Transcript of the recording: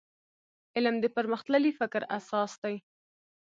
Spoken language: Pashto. علم د پرمختللي فکر اساس دی.